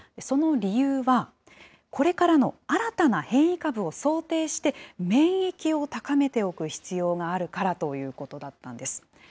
その理由は、これからの新たな変異株を想定して、免疫を高めておく必要があるからということだったんです。